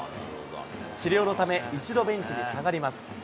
治療のため、一度ベンチに下がります。